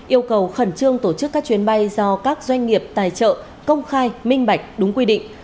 yêu cầu khẩn trương tổ chức các chuyến bay do các doanh nghiệp tài trợ công khai minh bạch đúng quy định